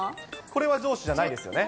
これは上司じゃないですよね。